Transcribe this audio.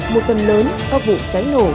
một phần lớn các vụ cháy nổ